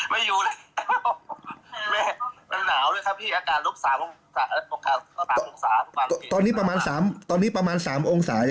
ทุกวันนี้ก็ไม่มีผู้คนสั่นจอนะครับพี่เพราะว่าถนนผลทางแถวหมู่บ้านที่